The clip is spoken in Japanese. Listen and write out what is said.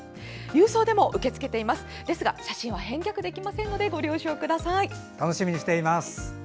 郵送でも受け付けていますが写真は返却できませんので楽しみにしています。